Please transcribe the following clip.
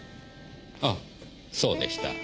ああそうでした。